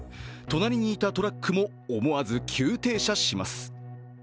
隣にいたトラックも思わず急停車します。